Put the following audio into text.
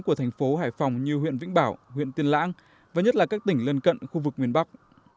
của thành phố hải phòng như huyện vĩnh bảo huyện tiên lãng và nhất là các tỉnh lân cận khu vực miền bắc